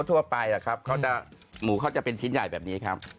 ทั่วไปหมูเขาจะเป็นชิ้นใหญ่แบบนี้ครับ